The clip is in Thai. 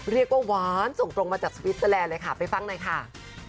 หวานส่งตรงมาจากสวิสเตอร์แลนด์เลยค่ะไปฟังหน่อยค่ะ